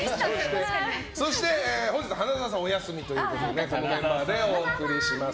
そして本日花澤さんお休みということでこのメンバーでお送りします。